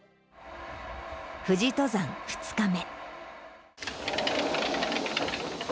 富士登山２日目。